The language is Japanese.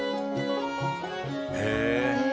へえ！